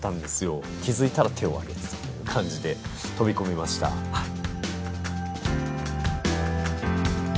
気付いたら手を挙げてたという感じで飛び込みましたはい。